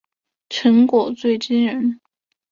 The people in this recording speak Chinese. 成果最惊人